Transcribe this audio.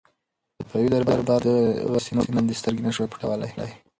صفوي دربار پر دغه سیمه باندې سترګې نه شوای پټولای.